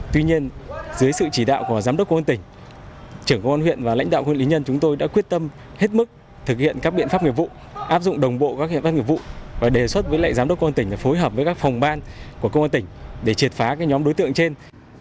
tuy nhiên dưới sự chỉ đạo của giám đốc công an tỉnh trưởng công an huyện và lãnh đạo huyện lý nhân chúng tôi đã quyết tâm hết mức thực hiện các biện pháp nghiệp vụ áp dụng đồng bộ các hiện tác nghiệp vụ và đề xuất với lại giám đốc công an tỉnh phối hợp với các phòng ban của công an tỉnh để triệt phá các nhóm đối tượng trên